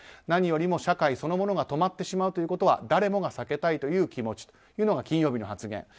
何よりも社会そのものが止まってしまうということは誰もが避けたいという気持ちというのが金曜日の発言。